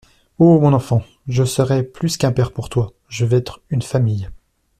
Oh ! mon enfant ! je serai plus qu'un père pour toi, je veux être une famille.